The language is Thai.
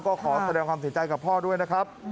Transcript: ก็ขอแสดงความเสียใจกับพ่อด้วยนะครับ